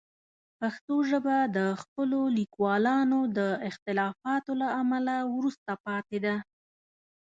پښتو ژبه د خپلو لیکوالانو د اختلافاتو له امله وروسته پاتې ده.